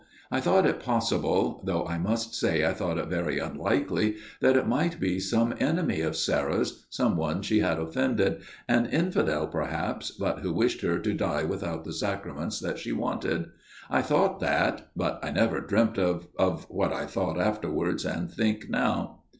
I thought it possible though I must say I thought it very unlikely that it might be some enemy of Sarah's some one she had offended an infidel, perhaps, but who wished her to die without the Sacraments that she wanted. I FATHER MARTIN'S TALE 185 thought that ; but I never dreamt of of what I thought afterwards and think now."